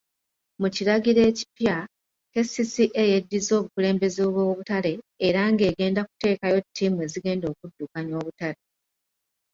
Mu kiragiro ekipya, KCCA yeddiza obukulembeze bw'obutale era ng'egenda kuteekayo ttiimu ezigenda okuddukanya obutale.